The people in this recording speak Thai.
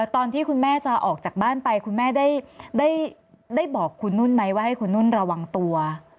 ตอนที่คุณแม่จะออกจากบ้านไปคุณแม่ได้บอกคุณนุ่นไหมว่าให้คุณนุ่นระวังตัว